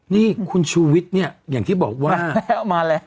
นี่คุณชูวิทย์เนี่ยอย่างที่บอกว่ามาแล้วมาแล้ว